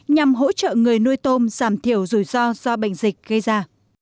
nhằm hỗ trợ người nuôi tôm giảm thiểu rủi ro do bệnh dịch gây ra